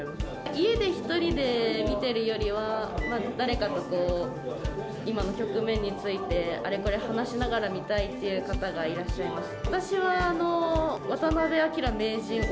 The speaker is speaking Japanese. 家で１人で見てるよりは、誰かとこう、今の局面について、あれこれ話しながら見たいっていう方がいらっしゃいます。